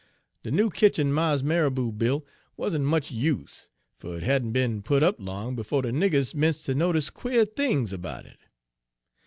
"De noo kitchen Mars Marrabo buil' wuz n' much use, fer it hadn' be'n put up long befo' de niggers 'mence' ter notice quare things erbout it.